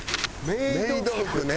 メイド服ね。